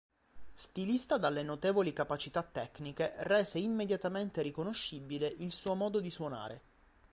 Stilista dalle notevoli capacità tecniche, rese immediatamente riconoscibile il suo modo di suonare.